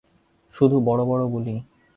শুধু বড় বড় বুলি।